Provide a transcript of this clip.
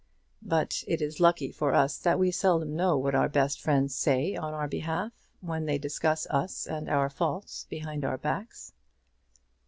But it is lucky for us that we seldom know what our best friends say on our behalf, when they discuss us and our faults behind our backs.